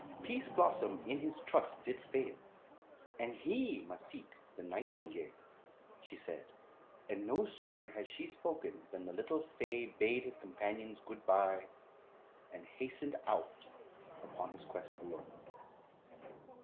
"Pease Blossom in his trust did fail; And he must seek the nightingale," she said; and no sooner had she spoken than the little fay bade his companions good bye and hastened out upon his quest alone.